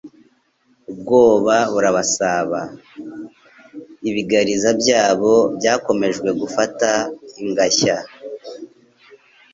Ubwoba burabasaba. Ibigariza byabo byakomejwe no gufata ingashya,